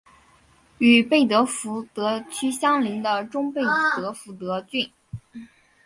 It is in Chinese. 与贝德福德区相邻的中贝德福德郡。